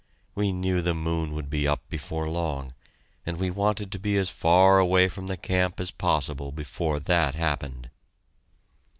We knew the moon would be up before long, and we wanted to be as far away from the camp as possible before that happened.